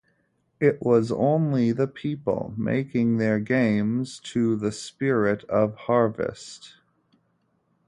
It was only the people making their games to the spirit of harvest.